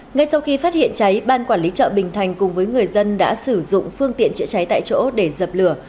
ngay sau khi phát hiện cháy ban quản lý chợ bình thành cùng với người dân đã sử dụng phương tiện chữa cháy tại chỗ để dập lửa